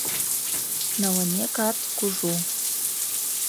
Нылынекат кужу.